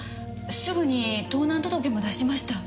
すぐに盗難届も出しました。